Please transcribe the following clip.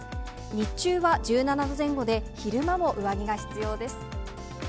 日中は１７度前後で、昼間も上着が必要です。